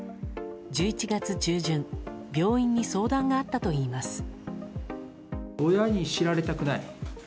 １１月中旬病院に相談があったといいます。